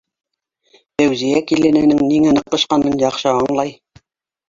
- Фәүзиә килененең ниңә ныҡышҡанын яҡшы аңлай.